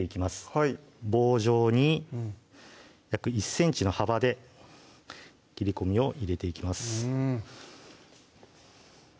はい棒状に約１ｃｍの幅で切り込みを入れていきます